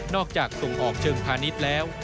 นอกจากส่งออกเชิงพาณิชย์แล้ว